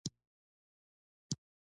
انرژي د ژوند محرک دی.